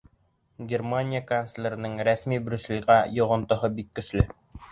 Германия канцлерының рәсми Брюсселгә йоғонтоһо бик көслө.